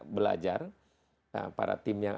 belajar para tim yang